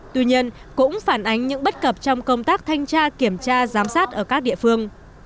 tuy nhiên cũng phản ánh những bất cập trong công tác thanh tra kiểm tra giám sát ở các địa phương